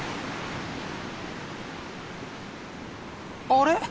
あれ？